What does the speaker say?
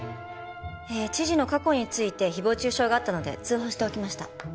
知事の過去について誹謗中傷があったので通報しておきました。